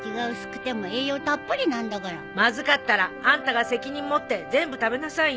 まずかったらあんたが責任持って全部食べなさいよ。